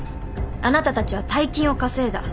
あなたたちは大金を稼いだ。